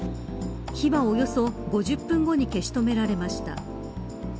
火はおよそ５０分後に消し止められました。